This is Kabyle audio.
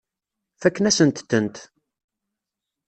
Fakken-asent-tent.